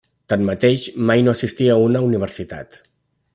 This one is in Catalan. Tanmateix, mai no assistí a una universitat.